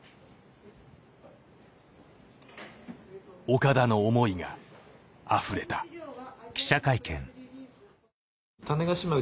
岡田の思いがあふれたこれは。